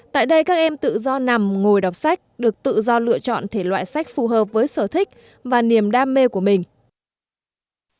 tại đây các em tự do nằm ngồi đọc sách được tự do lựa chọn thể loại sách phù hợp với sở thích và niềm đam mê của mình